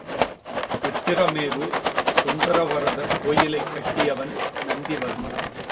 உத்திரமேரூர் சுந்தரவரதர் கோயிலைக் கட்டியவன் நந்தி வர்மன்.